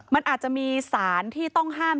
มันอาจจะมีสารที่ต้องห้าม